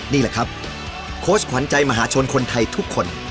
นี่แหละครับโค้ชขวัญใจมหาชนคนไทยทุกคน